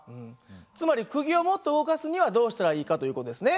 つまりくぎをもっと動かすにはどうしたらいいかという事ですね。